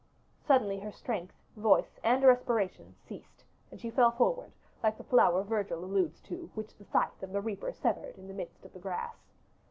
Suddenly her strength, voice, and respiration ceased, and she fell forward, like the flower Virgil alludes to, which the scythe of the reaper severed in the midst of the grass.